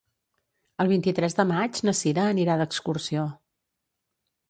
El vint-i-tres de maig na Cira anirà d'excursió.